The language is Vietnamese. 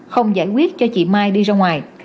không giải quyết cho chị mai đi ra ngoài